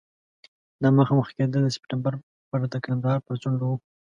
دا مخامخ کېدل د سپټمبر پر د کندهار په څنډو کې وو.